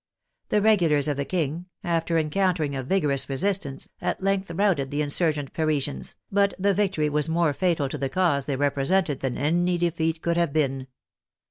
The regulars of the King, after encountering a vigorous resistance, at length routed the insurgent Parisians, but the victory was more fatal to the cause they represented than any defeat could have been.